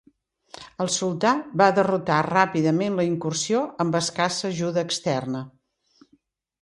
El sultà va derrotar ràpidament la incursió amb escassa ajuda externa.